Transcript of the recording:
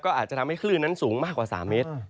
ก็อาจจะทำให้คลื่นนั้นสูงมากกว่า๓เมตร